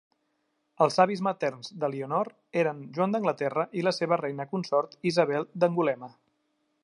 Els avis materns de l'Eleanor eren Joan d'Anglaterra i la seva reina consort Isabel d'Angulema.